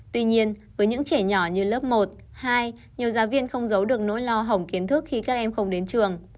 tuy nhiên với những trẻ nhỏ như lớp một hai nhiều giáo viên không giấu được nỗi lo hỏng kiến thức khi các em không đến trường